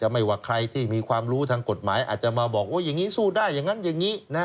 ไม่ว่าใครที่มีความรู้ทางกฎหมายอาจจะมาบอกว่าอย่างนี้สู้ได้อย่างนั้นอย่างนี้